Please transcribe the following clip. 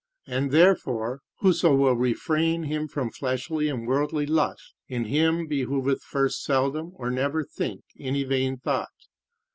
And therefore who so will abstain him from fleshly and worldly lusts, him behoveth first seldom or never think any vain thoughts.